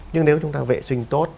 nhưng nếu chúng ta vệ sinh tốt